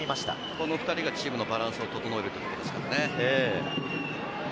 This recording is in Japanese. この２人がチームのバランスを整えていますからね。